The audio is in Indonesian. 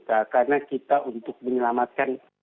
karena kita untuk menyelamatkan